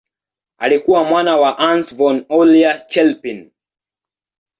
Alikuwa mwana wa Hans von Euler-Chelpin.